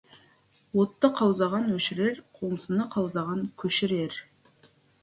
Отты қаузаған өшірер, қоңсыны қаузаған көшірер.